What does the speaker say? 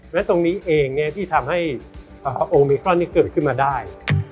และตรงนี้เองที่ทำให้โอมิครอนเกิดขึ้นมาได้